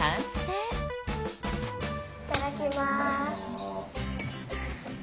いただきます。